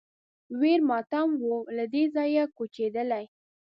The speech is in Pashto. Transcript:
ویر ماتم و له دې ځایه کوچېدلی